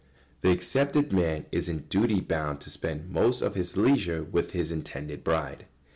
] The accepted man is in duty bound to spend most of his leisure with his intended bride.